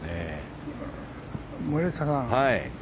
森下さん